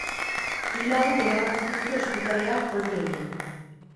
Bi lagun eraman dituzte ospitalera, kolpeekin.